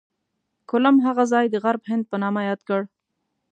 کولمب هغه ځای د غرب هند په نامه یاد کړ.